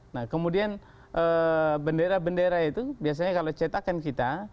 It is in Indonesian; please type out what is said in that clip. nah kemudian bendera bendera itu biasanya kalau cetakan kita